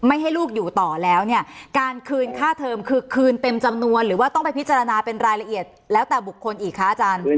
ให้ลูกอยู่ต่อแล้วเนี่ยการคืนค่าเทอมคือคืนเต็มจำนวนหรือว่าต้องไปพิจารณาเป็นรายละเอียดแล้วแต่บุคคลอีกคะอาจารย์